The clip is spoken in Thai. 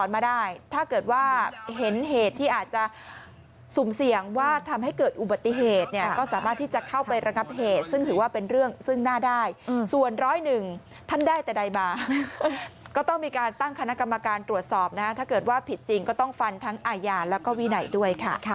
มาได้ถ้าเกิดว่าเห็นเหตุที่อาจจะสุ่มเสี่ยงว่าทำให้เกิดอุบัติเหตุเนี่ยก็สามารถที่จะเข้าไประงับเหตุซึ่งถือว่าเป็นเรื่องซึ่งหน้าได้ส่วนร้อยหนึ่งท่านได้แต่ใดมาก็ต้องมีการตั้งคณะกรรมการตรวจสอบนะถ้าเกิดว่าผิดจริงก็ต้องฟันทั้งอาญาแล้วก็วินัยด้วยค่ะ